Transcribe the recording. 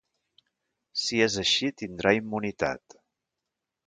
Si és així tindrà immunitat.